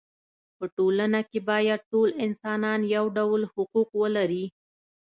په ټولنه کې باید ټول انسانان یو ډول حقوق ولري.